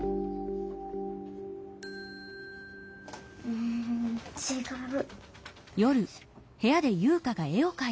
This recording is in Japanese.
うんちがう。